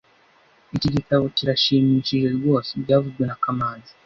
Iki gitabo kirashimishije rwose byavuzwe na kamanzi